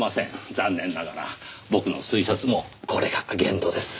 残念ながら僕の推察もこれが限度です。